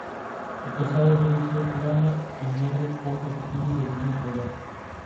El calzado debe ser plano y negro con calcetines del mismo color.